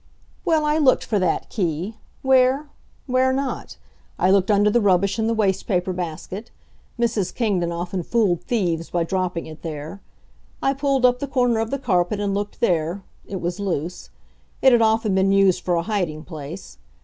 Well, I looked for that key. Where? Where not? I looked under the rubbish in the waste paper basket; Mrs. Kingdon often fooled thieves by dropping it there. I pulled up the corner of the carpet and looked there it was loose; it had often been used for a hiding place.